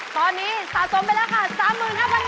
ตอนนี้สะสมไปแล้วค่ะ๓๕๐๐๐บาท